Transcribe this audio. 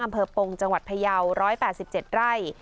อำเภอปงจังหวัดพยาว๑๘๗ไร่